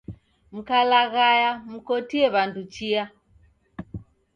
Mkalaghaya, mkotie w'andu chia